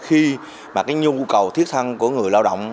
khi nhu cầu thiết thân của người lao động